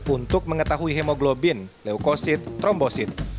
untuk mengetahui hemoglobin leukosid trombosis dan kemoterapi